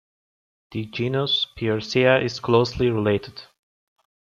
The genus "Pearcea" is closely related.